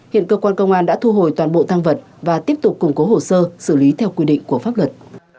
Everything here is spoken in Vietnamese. hiện cơ quan công an đã thu hồi toàn bộ thăng vật và tiếp tục củng cố hồ sơ xử lý theo quy định của pháp luật